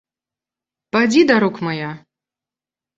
Падзі да рук мая!